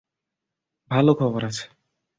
ভালো খবর আছে।